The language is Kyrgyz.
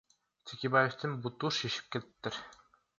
Текебаевдин буту шишип кетиптир.